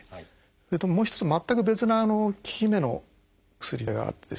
それともう一つ全く別な効き目の薬があってですね